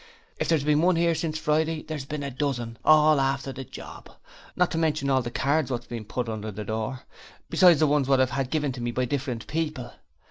If there's been one 'ere since Friday there's been a dozen, all after the job, not to mention all the cards what's been put under the door, besides the one's what I've had give to me by different people.